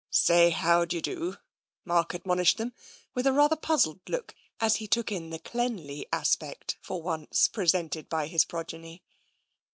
"Say how do you do," Mark admonished them, with a rather puzzled look as he took in the cleanly aspect for once presented by his progeny.